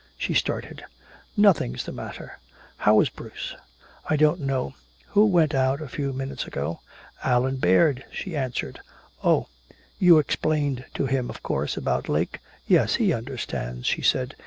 She started. "Nothing's the matter! How is Bruce?" "I don't know. Who went out a few minutes ago?" "Allan Baird," she answered. "Oh. You explained to him, of course, about Lake " "Yes, he understands," she said.